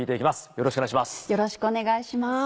よろしくお願いします。